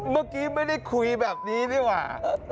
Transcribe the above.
เมื่อกี้ไม่ได้คุยแบบนี้ดีกว่า